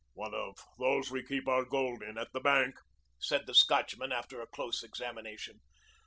"One of those we keep our gold in at the bank," said the Scotchman after a close examination.